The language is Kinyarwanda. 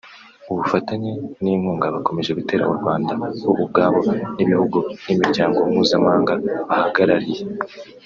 ubufatanye n’inkugga bakomeje gutera u Rwanda bo ubwabo n’ibihugu n’Imiryango Mpuzamahanga bahagararariye